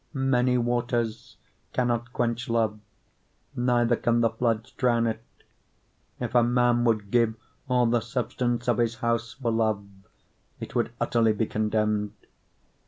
8:7 Many waters cannot quench love, neither can the floods drown it: if a man would give all the substance of his house for love, it would utterly be contemned.